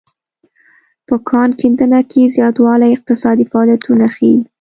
په کان کیندنه کې زیاتوالی اقتصادي فعالیتونه ښيي